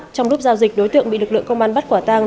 trong lúc giao dịch đối tượng bị lực lượng công an bắt quả tang